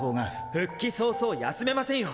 復帰早々休めませんよ！